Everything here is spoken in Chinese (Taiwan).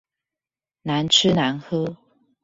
難吃難喝